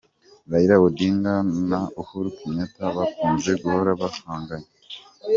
Raila Odinga na Uhuru Kenyatta bakunze guhora bahanganye